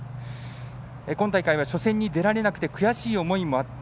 今大会は初戦に出られなくて悔しい思いもあった。